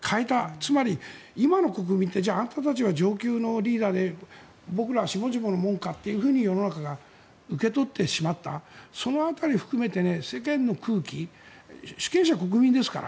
つまり今の国民ってじゃあ、あなたたちが上級のリーダーで僕ら、下々の者かと世の中が受け取ってしまったその辺り含めて世間の空気主権者、国民ですから。